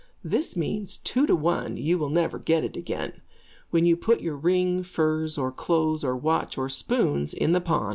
This means "two to one, you will never get it again" when you put your ring, furs, or clothes, or watch, or spoons, in pawn.